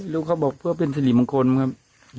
เขาบอกเพื่อเป็นสิริมงคลครับ